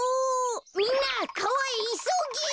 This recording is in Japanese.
みんなかわへいそげ！